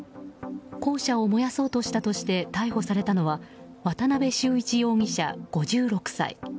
校舎を燃やそうとしたとして逮捕されたのは渡辺秀一容疑者、５６歳。